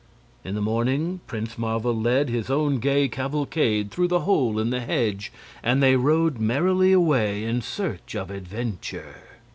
In the morning Prince Marvel led his own gay cavalcade through the hole in the hedge, and they rode merrily away in search of adventure.